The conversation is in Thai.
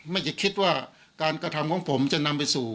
อย่าคิดว่าการกระทำของผมจะนำไปสู่